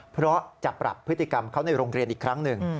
เพราะจะปรับพฤติกรรมเขาในโรงเรียนอีกครั้งหนึ่ง